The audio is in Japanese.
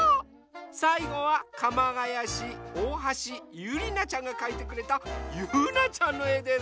さいごはかまがやしおおはしゆりなちゃんがかいてくれたゆうなちゃんのえです！